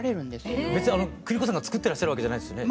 別に邦子さんが作ってらっしゃるわけじゃないですよね？